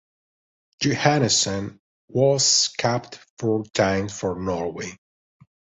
Johannessen was capped four times for Norway.